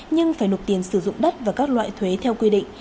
nhưng phải nộp tiền sử dụng đất và các loại thuế theo quy định